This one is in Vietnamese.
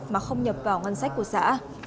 mà không nhập vào ngân sách của xã